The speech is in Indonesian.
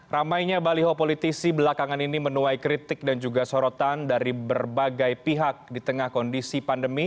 ramainya baliho politisi belakangan ini menuai kritik dan juga sorotan dari berbagai pihak di tengah kondisi pandemi